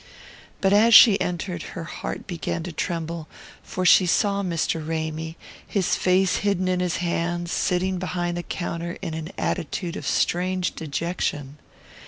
But as she entered her heart began to tremble, for she saw Mr. Ramy, his face hidden in his hands, sitting behind the counter in an attitude of strange dejection.